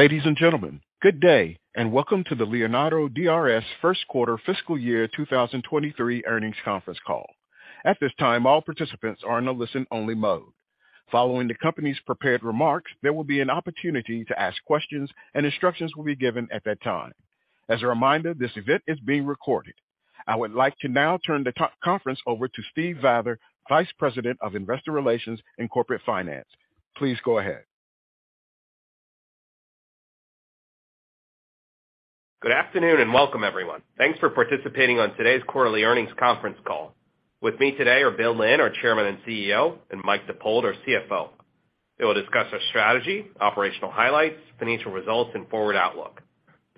Ladies and gentlemen, good day, and welcome to the Leonardo DRS first quarter fiscal year 2023 earnings conference call. At this time, all participants are in a listen-only mode. Following the company's prepared remarks, there will be an opportunity to ask questions, and instructions will be given at that time. As a reminder, this event is being recorded. I would like to now turn the conference over to Steve Vather, Vice President of Investor Relations and Corporate Finance. Please go ahead. Good afternoon, and welcome everyone. Thanks for participating on today's quarterly earnings conference call. With me today are Bill Lynn, our Chairman and CEO, and Mike Dippold, our CFO. They will discuss our strategy, operational highlights, financial results, and forward outlook.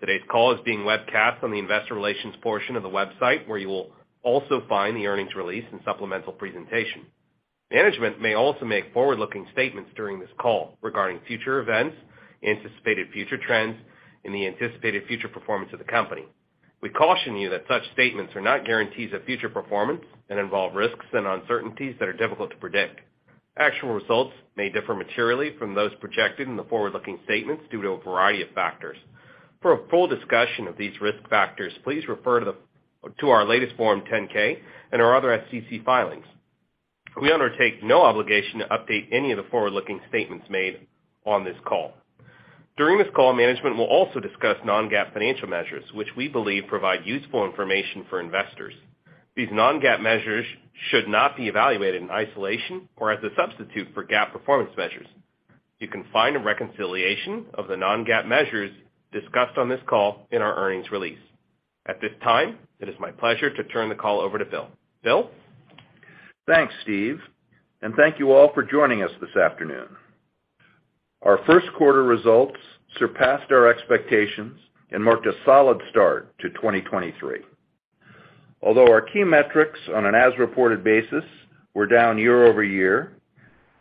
Today's call is being webcast on the investor relations portion of the website where you will also find the earnings release and supplemental presentation. Management may also make forward-looking statements during this call regarding future events, anticipated future trends, and the anticipated future performance of the company. We caution you that such statements are not guarantees of future performance and involve risks and uncertainties that are difficult to predict. Actual results may differ materially from those projected in the forward-looking statements due to a variety of factors. For a full discussion of these risk factors, please refer to our latest Form 10-K and our other SEC filings. We undertake no obligation to update any of the forward-looking statements made on this call. During this call, management will also discuss non-GAAP financial measures, which we believe provide useful information for investors. These non-GAAP measures should not be evaluated in isolation or as a substitute for GAAP performance measures. You can find a reconciliation of the non-GAAP measures discussed on this call in our earnings release. At this time, it is my pleasure to turn the call over to Bill. Bill. Thanks, Steve. Thank you all for joining us this afternoon. Our first quarter results surpassed our expectations and marked a solid start to 2023. Although our key metrics on an as-reported basis were down year-over-year,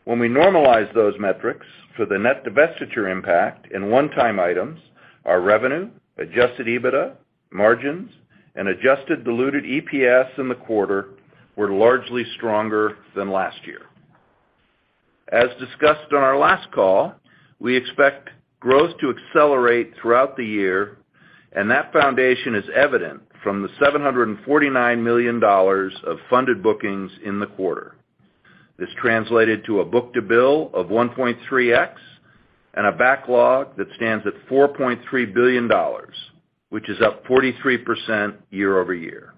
when we normalize those metrics for the net divestiture impact in one-time items, our revenue, adjusted EBITDA, margins, and adjusted diluted EPS in the quarter were largely stronger than last year. As discussed on our last call, we expect growth to accelerate throughout the year, and that foundation is evident from the $749 million of funded bookings in the quarter. This translated to a book-to-bill of 1.3x and a backlog that stands at $4.3 billion, which is up 43% year-over-year.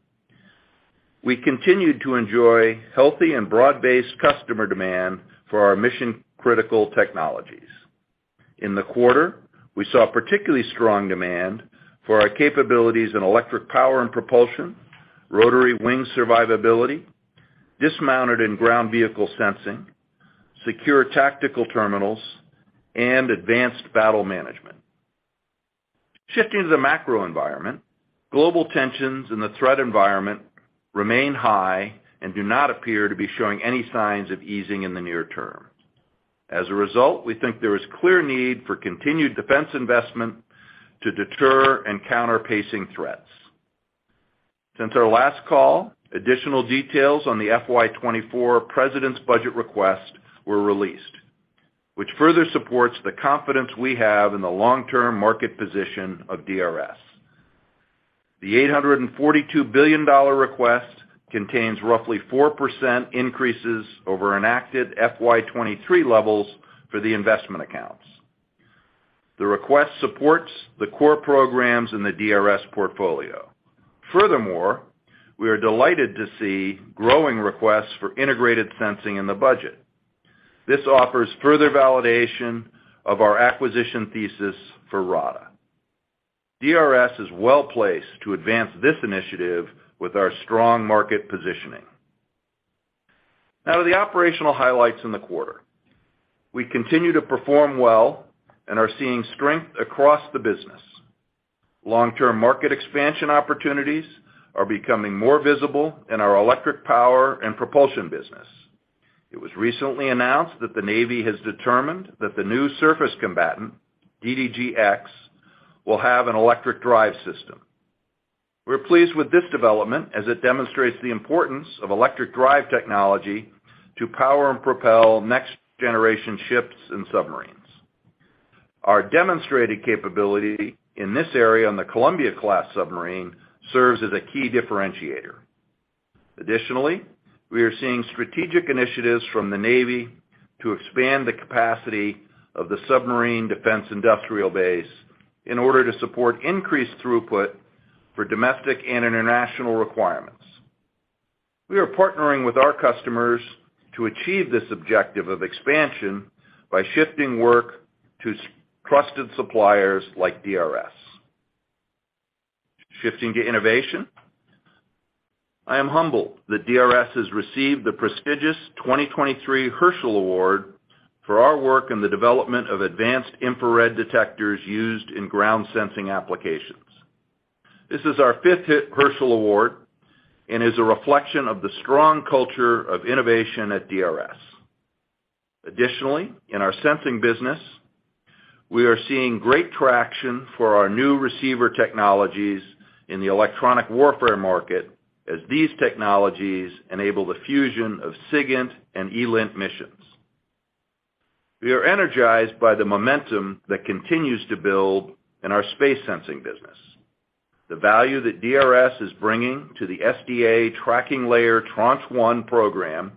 We continued to enjoy healthy and broad-based customer demand for our mission-critical technologies. In the quarter, we saw particularly strong demand for our capabilities in electric power and propulsion, rotary wing survivability, dismounted and ground vehicle sensing, secure tactical terminals, and advanced battle management. Shifting to the macro environment, global tensions in the threat environment remain high and do not appear to be showing any signs of easing in the near term. As a result, we think there is clear need for continued defense investment to deter and counter pacing threats. Since our last call, additional details on the FY 2024 President's budget request were released, which further supports the confidence we have in the long-term market position of DRS. The $842 billion request contains roughly 4% increases over enacted FY 2023 levels for the investment accounts. The request supports the core programs in the DRS portfolio. We are delighted to see growing requests for integrated sensing in the budget. This offers further validation of our acquisition thesis for RADA. DRS is well-placed to advance this initiative with our strong market positioning. To the operational highlights in the quarter. We continue to perform well and are seeing strength across the business. Long-term market expansion opportunities are becoming more visible in our electric power and propulsion business. It was recently announced that the Navy has determined that the new surface combatant, DDG(X), will have an electric drive system. We're pleased with this development as it demonstrates the importance of electric drive technology to power and propel next-generation ships and submarines. Our demonstrated capability in this area on the Columbia-class submarine serves as a key differentiator. We are seeing strategic initiatives from the Navy to expand the capacity of the submarine defense industrial base in order to support increased throughput for domestic and international requirements. We are partnering with our customers to achieve this objective of expansion by shifting work to trusted suppliers like DRS. Shifting to innovation, I am humbled that DRS has received the prestigious 2023 Herschel Award for our work in the development of advanced infrared detectors used in ground sensing applications. This is our fifth Herschel Award and is a reflection of the strong culture of innovation at DRS. In our sensing business, we are seeing great traction for our new receiver technologies in the electronic warfare market as these technologies enable the fusion of SIGINT and ELINT missions. We are energized by the momentum that continues to build in our space sensing business. The value that DRS is bringing to the SDA Tracking Layer Tranche 1 program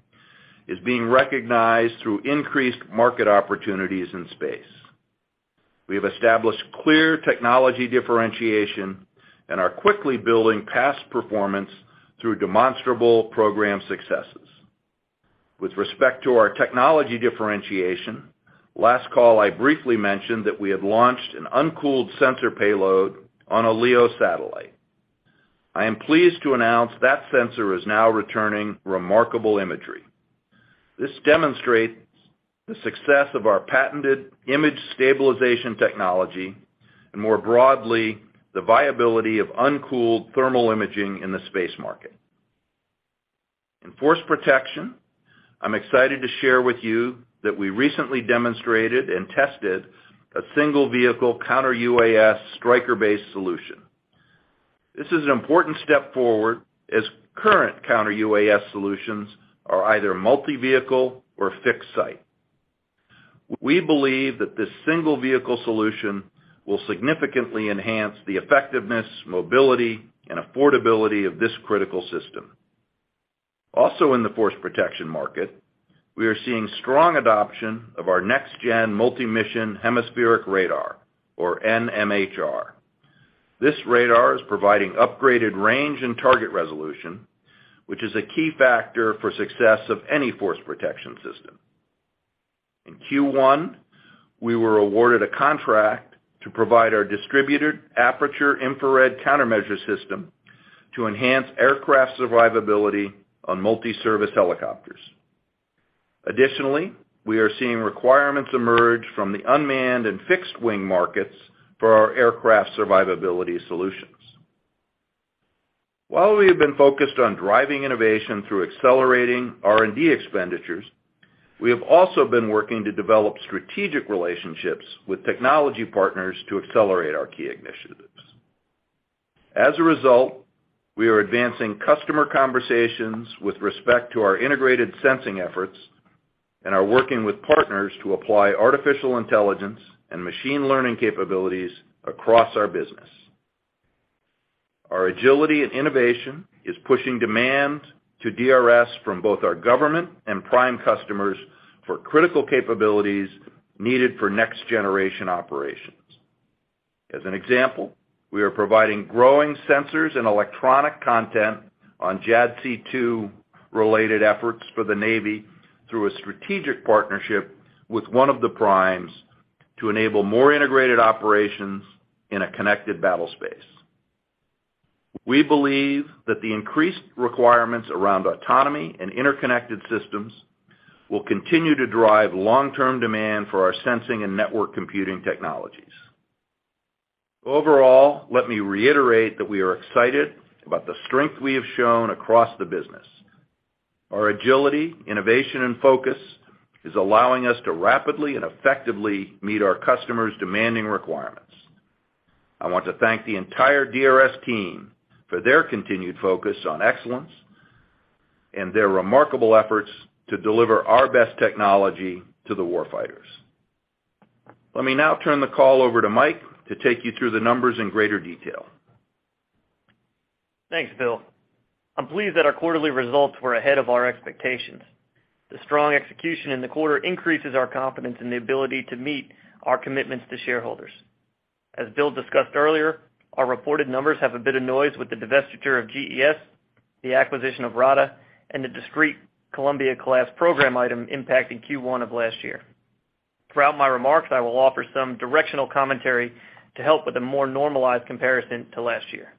is being recognized through increased market opportunities in space. We have established clear technology differentiation and are quickly building past performance through demonstrable program successes. With respect to our technology differentiation, last call, I briefly mentioned that we have launched an uncooled sensor payload on a LEO satellite. I am pleased to announce that sensor is now returning remarkable imagery. This demonstrates the success of our patented image stabilization technology, and more broadly, the viability of uncooled thermal imaging in the space market. In force protection, I'm excited to share with you that we recently demonstrated and tested a single vehicle counter UAS Stryker-based solution. This is an important step forward as current counter UAS solutions are either multi-vehicle or fixed site. We believe that this single vehicle solution will significantly enhance the effectiveness, mobility, and affordability of this critical system. Also in the force protection market, we are seeing strong adoption of our next-gen multi-mission hemispheric radar or NMHR. This radar is providing upgraded range and target resolution, which is a key factor for success of any force protection system. In Q1, we were awarded a contract to provide our Distributed Aperture Infrared Countermeasure system to enhance aircraft survivability on multi-service helicopters. Additionally, we are seeing requirements emerge from the unmanned and fixed wing markets for our aircraft survivability solutions. While we have been focused on driving innovation through accelerating R&D expenditures, we have also been working to develop strategic relationships with technology partners to accelerate our key initiatives. As a result, we are advancing customer conversations with respect to our integrated sensing efforts and are working with partners to apply artificial intelligence and machine learning capabilities across our business. Our agility and innovation is pushing demand to DRS from both our government and prime customers for critical capabilities needed for next generation operations. As an example, we are providing growing sensors and electronic content on JADC2 related efforts for the Navy through a strategic partnership with one of the primes to enable more integrated operations in a connected battle space. We believe that the increased requirements around autonomy and interconnected systems will continue to drive long-term demand for our sensing and network computing technologies. Overall, let me reiterate that we are excited about the strength we have shown across the business. Our agility, innovation, and focus is allowing us to rapidly and effectively meet our customers' demanding requirements. I want to thank the entire DRS team for their continued focus on excellence and their remarkable efforts to deliver our best technology to the warfighters. Let me now turn the call over to Mike to take you through the numbers in greater detail. Thanks, Bill. I'm pleased that our quarterly results were ahead of our expectations. The strong execution in the quarter increases our confidence in the ability to meet our commitments to shareholders. As Bill discussed earlier, our reported numbers have a bit of noise with the divestiture of GES, the acquisition of RADA, and the discrete Columbia-class program item impacting Q1 of last year. Throughout my remarks, I will offer some directional commentary to help with a more normalized comparison to last year.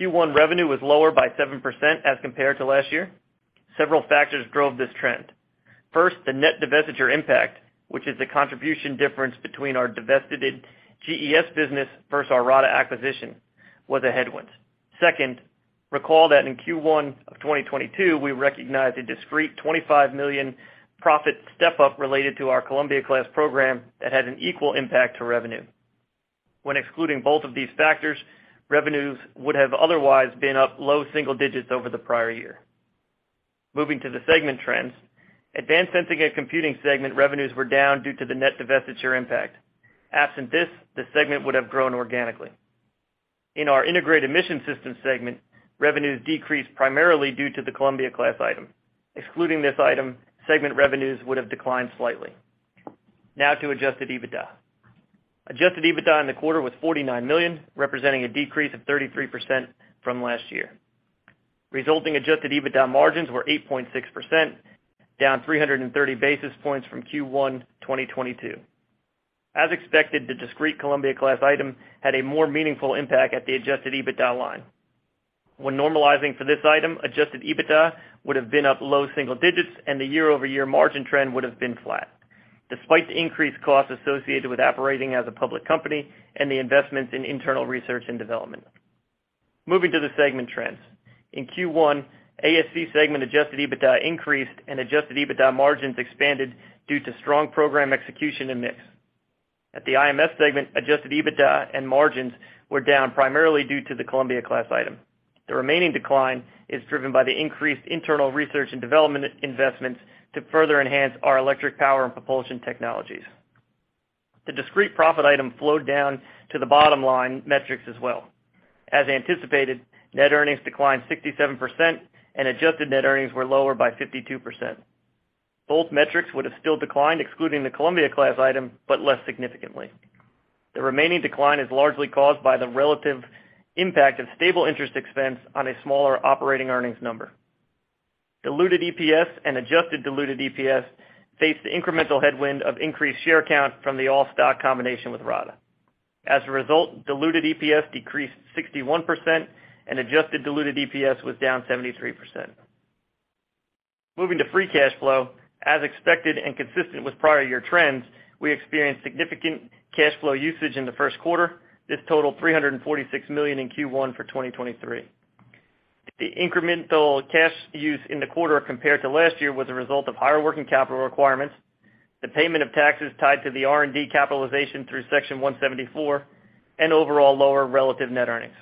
Q1 revenue was lower by 7% as compared to last year. Several factors drove this trend. First, the net divestiture impact, which is the contribution difference between our divested GES business versus our RADA acquisition, was a headwind. Second, recall that in Q1 2022, we recognized a discrete $25 million profit step-up related to our Columbia-class program that had an equal impact to revenue. When excluding both of these factors, revenues would have otherwise been up low single digits over the prior year. Moving to the segment trends. Advanced Sensing and Computing segment revenues were down due to the net divestiture impact. Absent this, the segment would have grown organically. In our Integrated Mission Systems segment, revenues decreased primarily due to the Columbia-class item. Excluding this item, segment revenues would have declined slightly. Now to adjusted EBITDA. Adjusted EBITDA in the quarter was $49 million, representing a decrease of 33% from last year. Resulting adjusted EBITDA margins were 8.6%, down 330 basis points from Q1 2022. As expected, the discrete Columbia-class item had a more meaningful impact at the adjusted EBITDA line. When normalizing for this item, adjusted EBITDA would have been up low single digits, and the year-over-year margin trend would have been flat despite the increased costs associated with operating as a public company and the investments in internal research and development. Moving to the segment trends. In Q1, ASC segment adjusted EBITDA increased and adjusted EBITDA margins expanded due to strong program execution and mix. At the IMS segment, adjusted EBITDA and margins were down primarily due to the Columbia-class item. The remaining decline is driven by the increased internal research and development investments to further enhance our electric power and propulsion technologies. The discrete profit item flowed down to the bottom line metrics as well. As anticipated, net earnings declined 67% and adjusted net earnings were lower by 52%. Both metrics would have still declined, excluding the Columbia-class item, less significantly. The remaining decline is largely caused by the relative impact of stable interest expense on a smaller operating earnings number. Diluted EPS and adjusted diluted EPS faced the incremental headwind of increased share count from the all-stock combination with RADA. Diluted EPS decreased 61% and adjusted diluted EPS was down 73%. Moving to free cash flow. Expected and consistent with prior year trends, we experienced significant cash flow usage in the first quarter. This totaled $346 million in Q1 2023. The incremental cash use in the quarter compared to last year was a result of higher working capital requirements, the payment of taxes tied to the R&D capitalization through Section 174 and overall lower relative net earnings.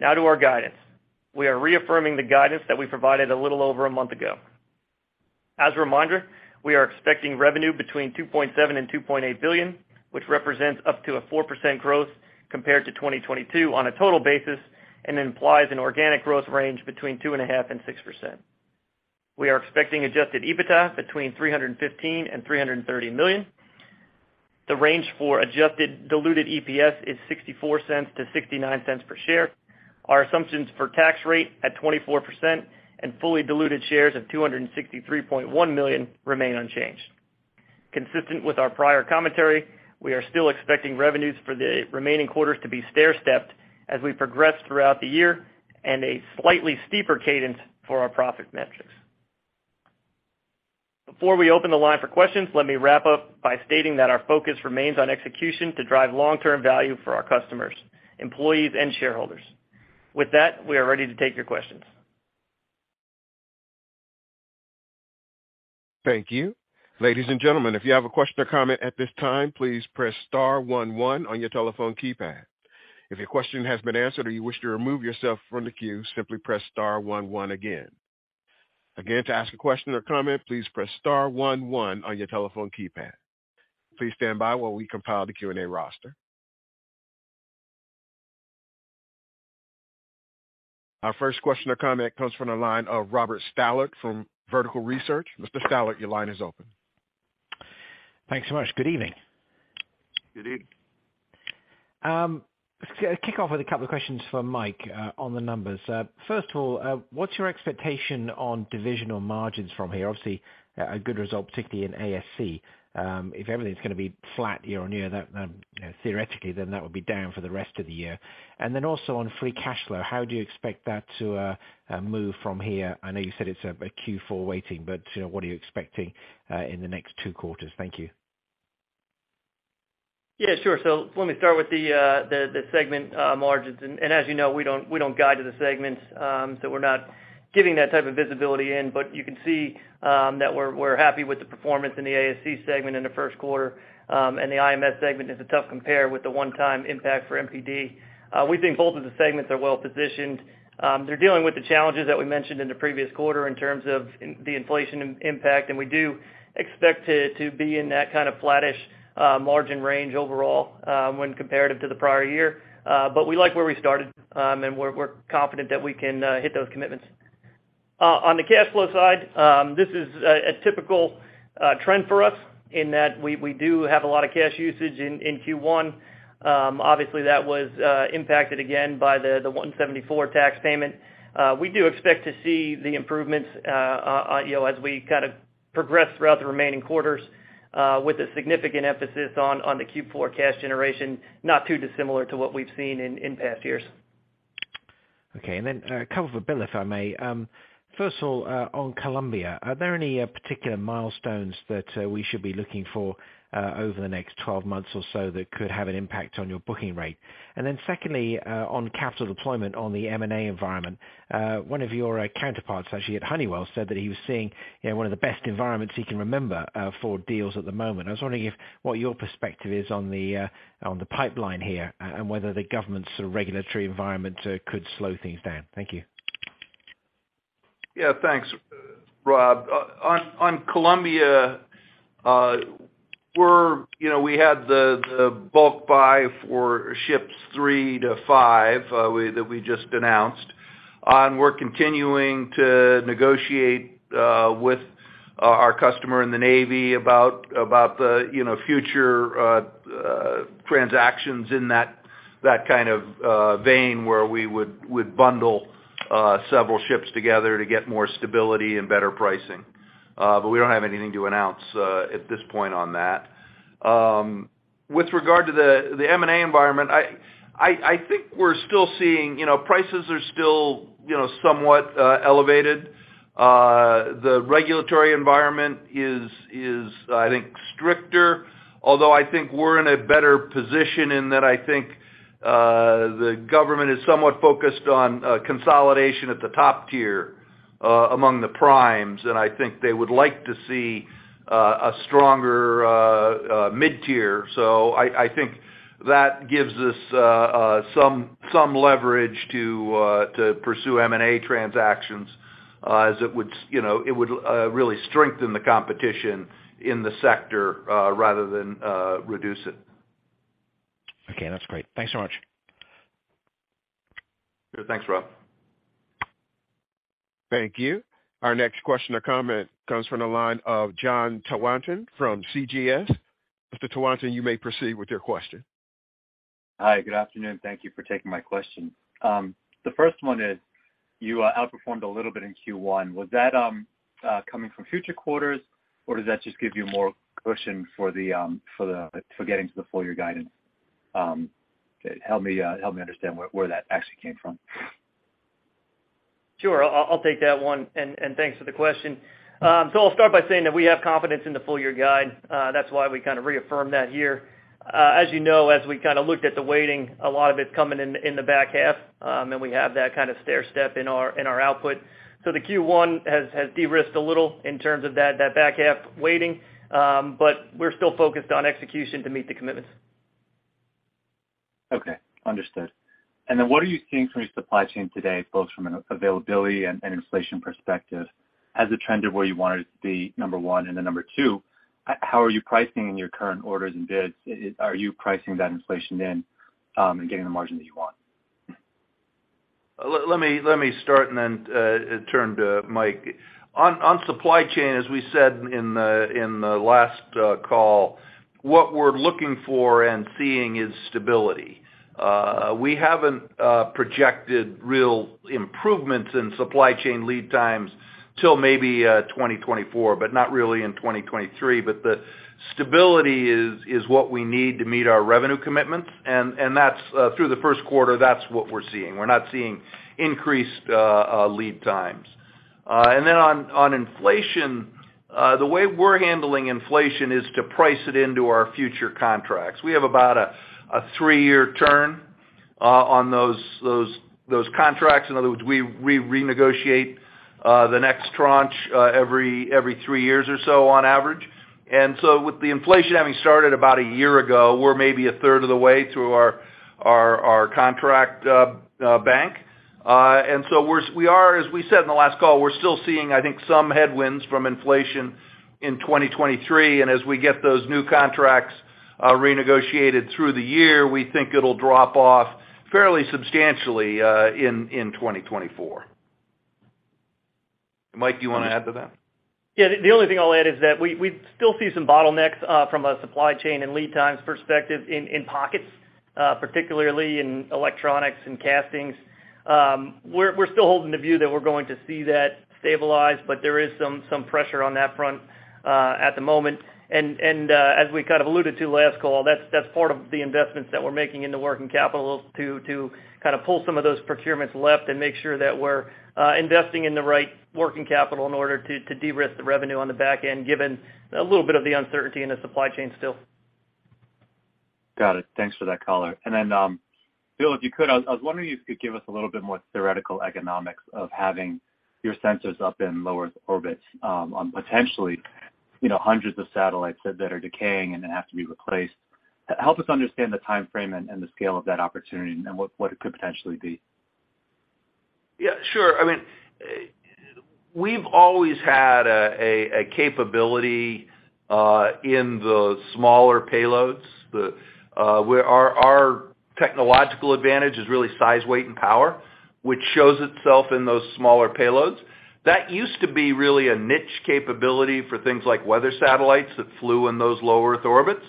To our guidance. We are reaffirming the guidance that we provided a little over a month ago. As a reminder, we are expecting revenue between $2.7 billion and $2.8 billion, which represents up to a 4% growth compared to 2022 on a total basis, and implies an organic growth range between 2.5% and 6%. We are expecting adjusted EBITDA between $315 million and $330 million. The range for adjusted diluted EPS is $0.64-$0.69 per share. Our assumptions for tax rate at 24% and fully diluted shares of 263.1 million remain unchanged. Consistent with our prior commentary, we are still expecting revenues for the remaining quarters to be stairstepped as we progress throughout the year and a slightly steeper cadence for our profit metrics. Before we open the line for questions, let me wrap up by stating that our focus remains on execution to drive long-term value for our customers, employees, and shareholders. With that, we are ready to take your questions. Thank you. Ladies and gentlemen, if you have a question or comment at this time, please press star one one on your telephone keypad. If your question has been answered or you wish to remove yourself from the queue, simply press star one one again. Again, to ask a question or comment, please press star one one on your telephone keypad. Please stand by while we compile the Q&A roster. Our first question or comment comes from the line of Robert Stallard from Vertical Research. Mr. Stallard, your line is open. Thanks so much. Good evening. Good evening. Just gonna kick off with two questions for Mike on the numbers. First of all, what's your expectation on divisional margins from here? Obviously a good result, particularly in ASC. If everything's gonna be flat year-over-year, that, you know, theoretically then that would be down for the rest of the year. Also on free cash flow, how do you expect that to move from here? I know you said it's a Q4 waiting, but, you know, what are you expecting in the next two quarters? Thank you. Let me start with the segment margins. As you know, we don't guide to the segments, we're not giving that type of visibility in, but you can see that we're happy with the performance in the ASC segment in the first quarter. The IMS segment is a tough compare with the one-time impact for MPD. We think both of the segments are well positioned. They're dealing with the challenges that we mentioned in the previous quarter in terms of the inflation impact, and we do expect to be in that kind of flattish margin range overall when comparative to the prior year. We like where we started, and we're confident that we can hit those commitments. On the cash flow side, this is a typical trend for us in that we do have a lot of cash usage in Q1. Obviously that was impacted again by the 174 tax payment. We do expect to see the improvements, you know, as we kind of progress throughout the remaining quarters, with a significant emphasis on the Q4 cash generation, not too dissimilar to what we've seen in past years. Okay. A couple for Bill, if I may. First of all, on Columbia, are there any particular milestones that we should be looking for over the next 12 months or so that could have an impact on your booking rate? Secondly, on capital deployment on the M&A environment, one of your counterparts actually at Honeywell said that he was seeing, you know, one of the best environments he can remember for deals at the moment. I was wondering if what your perspective is on the pipeline here, and whether the government's sort of regulatory environment could slow things down. Thank you. Yeah, thanks, Rob. On Columbia, you know, we had the bulk buy for ships three to five that we just announced. We're continuing to negotiate with our customer in the Navy about the, you know, future transactions in that kind of vein where we would bundle several ships together to get more stability and better pricing. We don't have anything to announce at this point on that. With regard to the M&A environment, I think we're still seeing, you know, prices are still, you know, somewhat elevated. The regulatory environment is, I think, stricter, although I think we're in a better position in that I think, the government is somewhat focused on consolidation at the top tier, among the primes, and I think they would like to see a stronger mid-tier. I think that gives us some leverage to pursue M&A transactions, as it would, you know, it would really strengthen the competition in the sector, rather than reduce it. Okay, that's great. Thanks so much. Yeah, thanks, Rob. Thank you. Our next question or comment comes from the line of Jon Tanwanteng from CJS Securities. Mr. Tanwanteng, you may proceed with your question. Hi, good afternoon. Thank you for taking my question. The first one is you outperformed a little bit in Q1. Was that coming from future quarters, or does that just give you more cushion for the for getting to the full year guidance? Help me understand where that actually came from. Sure. I'll take that one, and thanks for the question. I'll start by saying that we have confidence in the full year guide, that's why we kind of reaffirmed that year. As you know, as we kind of looked at the waiting, a lot of it's coming in the back half, we have that kind of stair step in our, in our output. The Q1 has de-risked a little in terms of that back half waiting. We're still focused on execution to meet the commitments. Okay. Understood. What are you seeing from your supply chain today, both from an availability and an inflation perspective? Has it trended where you want it to be, number one. Number two, how are you pricing in your current orders and bids? Are you pricing that inflation in and getting the margin that you want? Let me, let me start and then turn to Mike. On supply chain, as we said in the last call, what we're looking for and seeing is stability. We haven't projected real improvements in supply chain lead times till maybe 2024, but not really in 2023. The stability is what we need to meet our revenue commitments. That's through the first quarter, that's what we're seeing. We're not seeing increased lead times. Then on inflation, the way we're handling inflation is to price it into our future contracts. We have about a three-year turn on those contracts. In other words, we renegotiate the next tranche every three years or so on average. With the inflation having started about a year ago, we're maybe a third of the way through our contract bank. We are, as we said in the last call, we're still seeing, I think, some headwinds from inflation in 2023. As we get those new contracts renegotiated through the year, we think it'll drop off fairly substantially in 2024. Mike, do you want to add to that? The only thing I'll add is that we still see some bottlenecks from a supply chain and lead times perspective in pockets, particularly in electronics and castings. We're still holding the view that we're going to see that stabilize, but there is some pressure on that front at the moment. As we kind of alluded to last call, that's part of the investments that we're making in the working capital to kind of pull some of those procurements left and make sure that we're investing in the right working capital in order to de-risk the revenue on the back end, given a little bit of the uncertainty in the supply chain still. Got it. Thanks for that color. Bill, if you could, I was wondering if you could give us a little bit more theoretical economics of having your sensors up in low Earth orbits, on potentially, you know, hundreds of satellites that are decaying and then have to be replaced. Help us understand the timeframe and the scale of that opportunity and what it could potentially be. Sure. I mean, we've always had a capability in the smaller payloads. Where our technological advantage is really size, weight, and power, which shows itself in those smaller payloads. That used to be really a niche capability for things like weather satellites that flew in those low Earth orbits.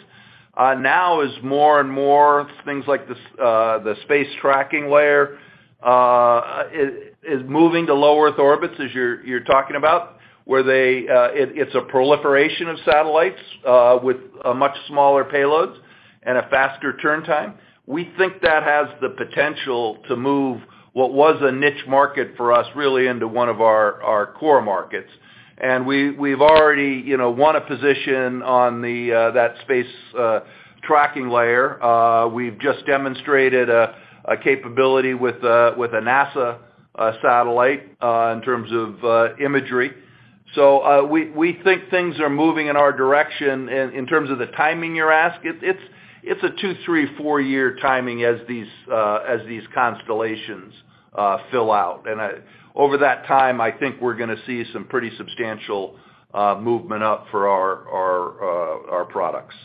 Now is more and more things like the Space Tracking Layer is moving to low Earth orbits as you're talking about, where it's a proliferation of satellites with a much smaller payloads and a faster turn time. We think that has the potential to move what was a niche market for us really into one of our core markets. We've already, you know, won a position on the Space Tracking Layer. We've just demonstrated a capability with a NASA satellite in terms of imagery. We think things are moving in our direction. In terms of the timing you're asking, it's a two, three, four-year timing as these constellations fill out. Over that time, I think we're gonna see some pretty substantial movement up for our products.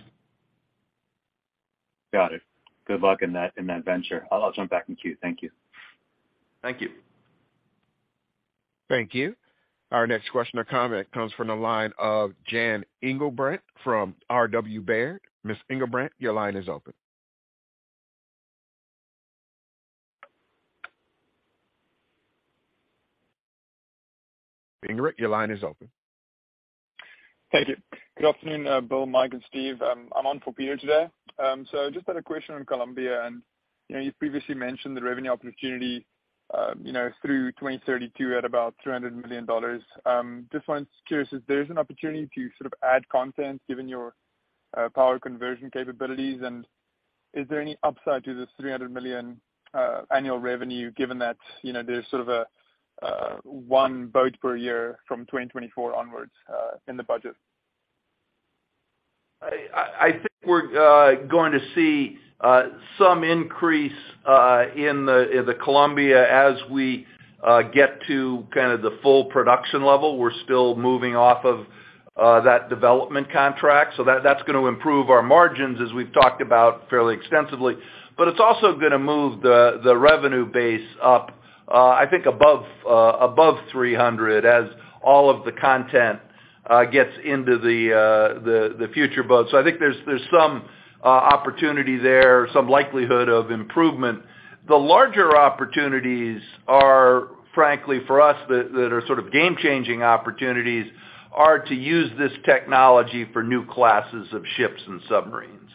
Got it. Good luck in that venture. I'll jump back in the queue. Thank you. Thank you. Thank you. Our next question or comment comes from the line of Jan Engelbrecht from RW Baird. Ms. Engelbrecht, your line is open. Thank you. Good afternoon, Bill, Mike, and Steve. I'm on for Peter today. Just had a question on Columbia and, you know, you've previously mentioned the revenue opportunity, you know, through 2032 at about $200 million. Curious if there's an opportunity to sort of add content given your power conversion capabilities. Is there any upside to this $300 million annual revenue given that, you know, there's sort of a one boat per year from 2024 onwards in the budget? I think we're going to see some increase in the Columbia as we get to kind of the full production level. We're still moving off of that development contract. That's gonna improve our margins as we've talked about fairly extensively. It's also gonna move the revenue base up, I think above $300 million as all of the content gets into the future boats. I think there's some opportunity there, some likelihood of improvement. The larger opportunities are, frankly for us, that are sort of game-changing opportunities are to use this technology for new classes of ships and submarines.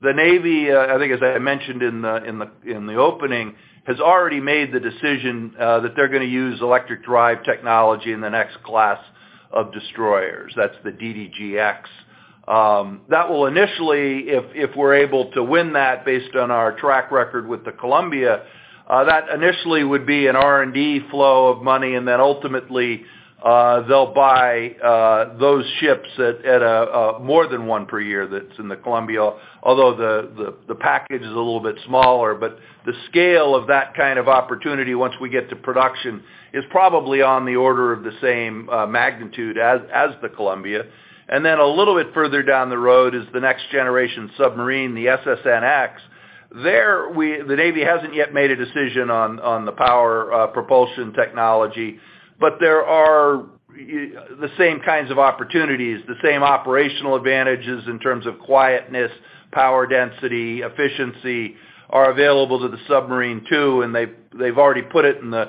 The Navy, I think as I mentioned in the opening, has already made the decision, that they're gonna use electric drive technology in the next class of destroyers. That's the DDG(X). That will initially, if we're able to win that based on our track record with the Columbia, that initially would be an R&D flow of money, and then ultimately, they'll buy those ships at a more than one per year that's in the Columbia, although the package is a little bit smaller. The scale of that kind of opportunity once we get to production is probably on the order of the same magnitude as the Columbia. A little bit further down the road is the next generation submarine, the SSNX. There the Navy hasn't yet made a decision on the power propulsion technology, but there are the same kinds of opportunities, the same operational advantages in terms of quietness, power density, efficiency are available to the submarine too, and they've already put it in the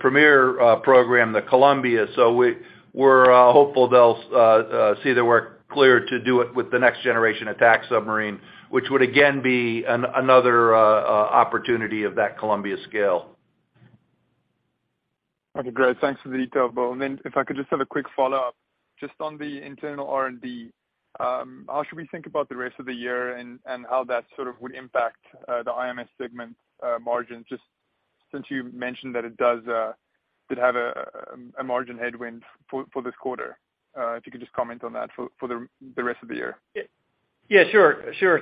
premier program, the Columbia. We're hopeful they'll see their work clear to do it with the next generation attack submarine, which would again be another opportunity of that Columbia scale. Okay, great. Thanks for the detail, Bill. Then if I could just have a quick follow-up. Just on the internal R&D, how should we think about the rest of the year and how that sort of would impact the IMS segment margin, just since you mentioned that it does did have a margin headwind for this quarter? If you could just comment on that for the rest of the year. Yeah, sure. Sure.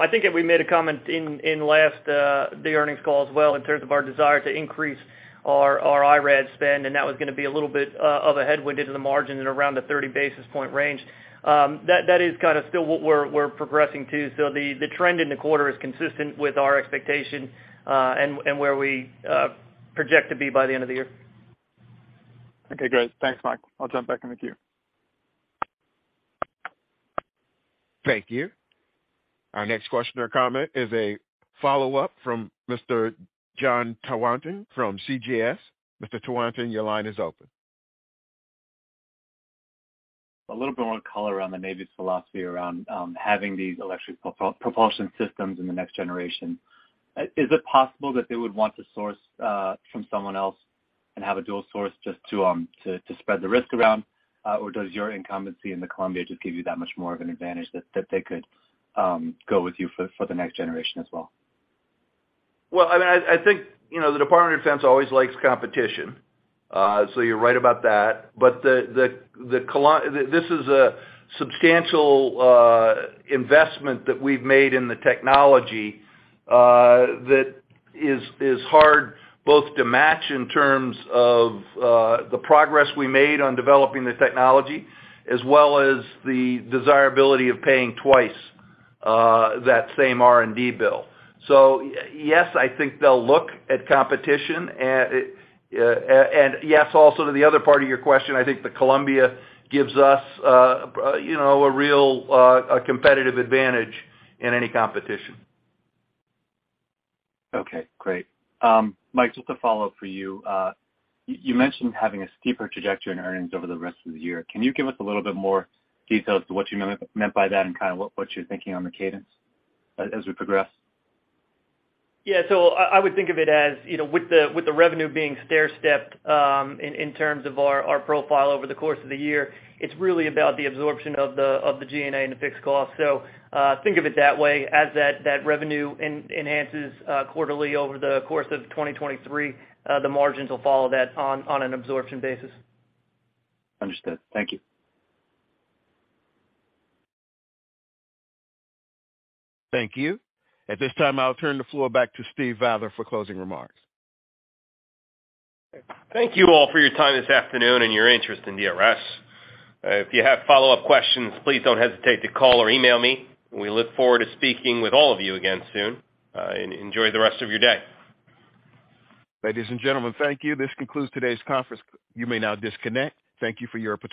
I think that we made a comment in last the earnings call as well in terms of our desire to increase our IRAD spend, and that was gonna be a little bit of a headwind into the margin at around the 30 basis point range. That is kind of still what we're progressing to. The trend in the quarter is consistent with our expectation, and where we project to be by the end of the year. Okay, great. Thanks, Mike. I'll jump back in the queue. Thank you. Our next question or comment is a follow-up from Mr. Jon Tanwanteng from CJS Securities. Mr. Tanwanteng, your line is open. A little bit more color on the Navy's philosophy around having these electric propulsion systems in the next generation. Is it possible that they would want to source from someone else and have a dual source just to spread the risk around? Or does your incumbency in the Columbia just give you that much more of an advantage that they could go with you for the next generation as well? Well, I mean, I think, you know, the Department of Defense always likes competition, so you're right about that. This is a substantial investment that we've made in the technology, that is hard both to match in terms of, the progress we made on developing the technology as well as the desirability of paying twice, that same R&D bill. Yes, I think they'll look at competition, and yes, also to the other part of your question, I think the Columbia gives us, you know, a real, a competitive advantage in any competition. Great. Mike, just a follow-up for you. You mentioned having a steeper trajectory in earnings over the rest of the year. Can you give us a little bit more details to what you meant by that and kind of what you're thinking on the cadence as we progress? Yeah. I would think of it as, you know, with the revenue being stairstepped, in terms of our profile over the course of the year, it's really about the absorption of the G&A and the fixed cost. Think of it that way. As that revenue enhances, quarterly over the course of 2023, the margins will follow that on an absorption basis. Understood. Thank you. Thank you. At this time, I'll turn the floor back to Steve Vather for closing remarks. Thank you all for your time this afternoon and your interest in DRS. If you have follow-up questions, please don't hesitate to call or email me. We look forward to speaking with all of you again soon, enjoy the rest of your day. Ladies and gentlemen, thank you. This concludes today's conference. You may now disconnect. Thank you for your participation.